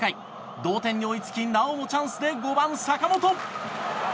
同点に追いつきなおもチャンスで５番、坂本。